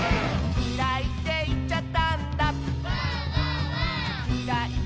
「きらいっていっちゃったんだ」